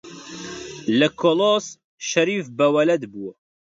لە کۆلۆس شەریف بە وەلەد بووە